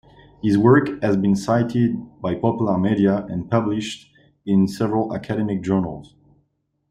His work has been cited by popular media and published in several academic journals.